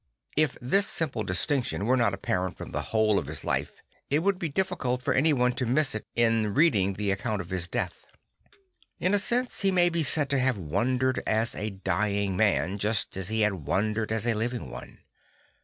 If this simple dis M iracleJ and Death 16 7 tinction were not apparent from the whole of his life, it would be difficult for anyone to miss it in reading the account of his death. In a sense he may be said to ha ve wandered as a dying man, just as he had wandered as a living one.